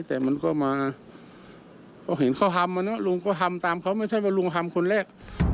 แต่มันก็มาพอเห็นเขาทำอ่ะเนอะลุงก็ทำตามเขาไม่ใช่ว่าลุงทำคนแรก